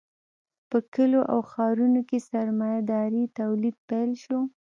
په کلیو او ښارونو کې سرمایه داري تولید پیل شو.